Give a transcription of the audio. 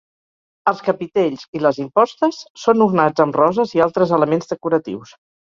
Els capitells i les impostes són ornats amb roses i altres elements decoratius.